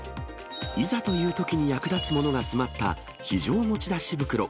いざというときに役立つものが詰まった非常持ち出し袋。